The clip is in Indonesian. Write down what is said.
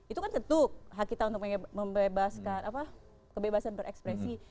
itu kan tentu hak kita untuk membebaskan kebebasan berekspresi